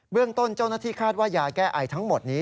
เรื่องต้นเจ้าหน้าที่คาดว่ายาแก้ไอทั้งหมดนี้